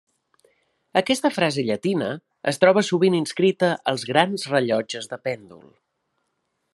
Aquesta frase llatina es troba sovint inscrita als grans rellotges de pèndol.